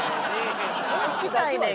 聞きたいねん。